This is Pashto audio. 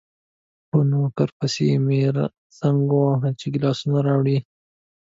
په نوکر پسې مې زنګ وواهه چې ګیلاسونه راوړي.